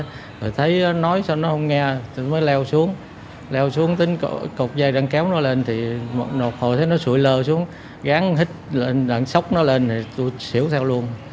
rồi thấy nói sao nó không nghe tôi mới leo xuống leo xuống tính cột dây đang kéo nó lên thì một hồi thấy nó sụi lơ xuống gán hít lên sốc nó lên thì tôi xỉu theo luôn